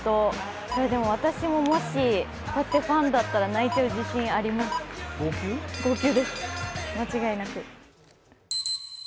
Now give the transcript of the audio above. でも私ももし、ファンだったら泣いちゃう自信あります、号泣です、間違いなく。